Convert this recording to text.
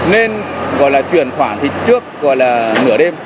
nên gọi là chuyển khoản thì trước gọi là nửa đêm